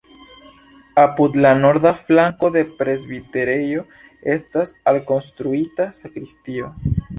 Apud la norda flanko de presbiterejo estas alkonstruita sakristio.